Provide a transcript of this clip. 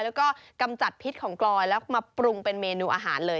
แล้วก็กำจัดพิษของกลอยแล้วมาปรุงเป็นเมนูอาหารเลย